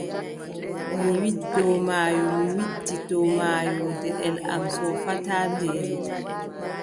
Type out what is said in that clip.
Mi widdoo maayo, mi widditoo maayo, deɗel am soofataa, mbeelu !